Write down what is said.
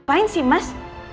ngapain sih mas